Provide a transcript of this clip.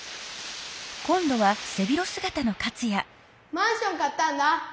マンション買ったんだ。